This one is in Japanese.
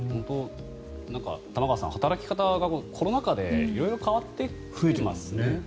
玉川さん、働き方がコロナ禍で色々変わってきてますね。